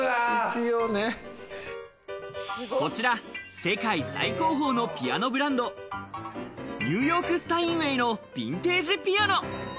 こちら世界最高峰のピアノブランド、ニューヨークスタインウェイのヴィンテージピアノ。